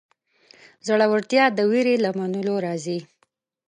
زړورتیا د وېرې له منلو راځي.